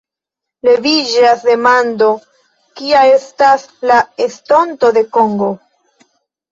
Leviĝas demando: kia estas la estonto de Kongo?